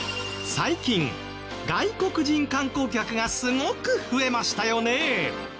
最近外国人観光客がすごく増えましたよね。